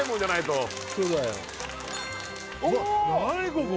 ここ！？